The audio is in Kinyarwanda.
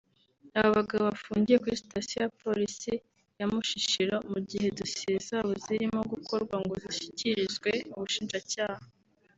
Aba bagabo bafungiwe kuri Sitasiyo ya Polisi ya Mushishiro mu gihe Dosiye zabo zirimo gukorwa ngo zishyikirizwe Ubushinjacyaha